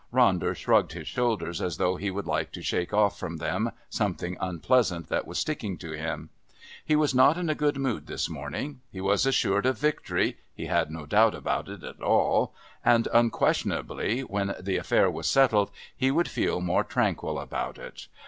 Ronder shrugged his shoulders as though he would like to shake off from them something unpleasant that was sticking to them. He was not in a good mood this morning. He was assured of victory he had no doubt about it at all and unquestionably when the affair was settled he would feel more tranquil about it.